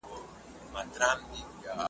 غيرتي ډبرين زړونه `